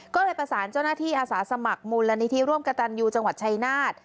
ก็เลยประสานเจ้าหน้าที่อาสาสมัครมูลนิธิร่วมกระตันยูจังหวัดชายนาฏ